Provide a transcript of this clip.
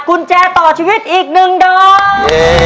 กุญแจต่อชีวิตอีกหนึ่งเดิม